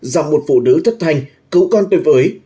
dòng một phụ nữ thất thanh cứu con tuyệt với